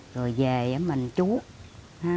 rồi về mình chút